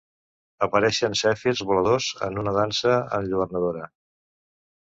Apareixen zèfirs voladors un una dansa enlluernadora.